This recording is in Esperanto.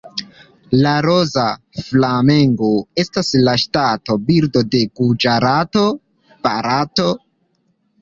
La Roza flamengo estas la ŝtata birdo de Guĝarato, Barato.